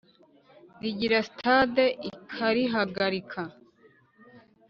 Rigira sitade ikarihagarika